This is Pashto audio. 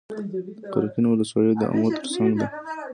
د قرقین ولسوالۍ د امو تر څنګ ده